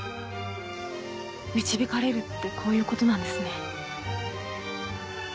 導かれるってこういう事なんですね。